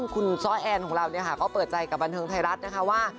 คุณซ้อแอนของเราก็เปิดใจกับบันเทิงไทยรัฐนะคะว่า